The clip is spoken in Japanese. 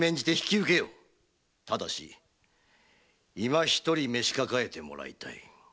ただしいま一人召し抱えてもらいたい。